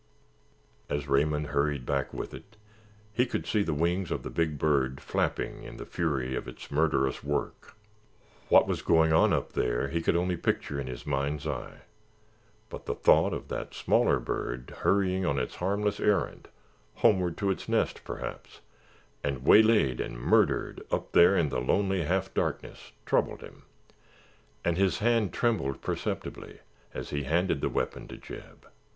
As Raymond hurried back with it, he could see the wings of the big bird flapping in the fury of its murderous work. What was going on up there he could only picture in his mind's eye, but the thought of that smaller bird hurrying on its harmless errand—homeward to its nest, perhaps—and waylaid and murdered up there in the lonely half darkness, troubled him and his hand trembled perceptibly as he handed the weapon to Jeb.